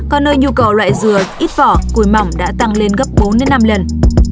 có nơi nhu cầu loại dừa ít vỏ cùi mỏng đã tăng lên gấp bốn năm lần